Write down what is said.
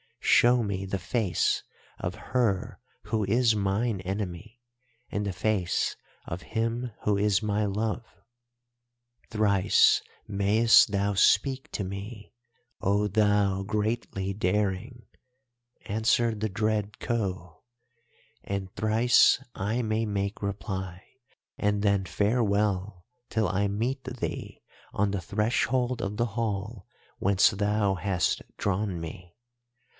Show me the face of her who is mine enemy, and the face of him who is my love.' "'Thrice mayest thou speak to me, O thou greatly daring,' answered the dread Khou, 'and thrice I may make reply, and then farewell till I meet thee on the threshold of the hall whence thou hast drawn me.